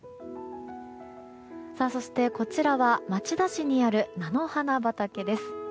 そしてこちらは町田市にある菜の花畑です。